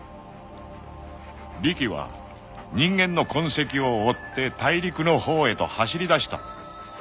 ［リキは人間の痕跡を追って大陸のほうへと走りだした］